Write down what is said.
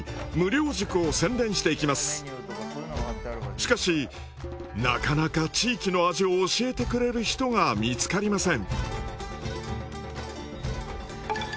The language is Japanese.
しかしなかなか地域の味を教えてくれる人が見つかりません。